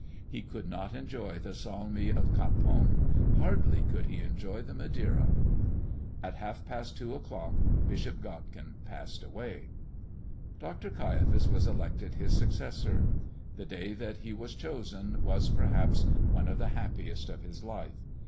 He could not enjoy the salmi of capon hardly could he enjoy the Madeira. At half past two o'clock Bishop Godkin passed away. Dr. Caiaphas was elected his successor. The day that he was chosen was, perhaps, one of the happiest of his life.